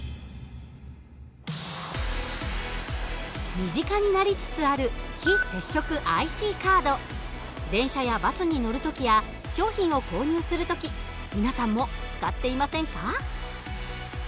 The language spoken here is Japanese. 身近になりつつある電車やバスに乗る時や商品を購入する時皆さんも使っていませんか？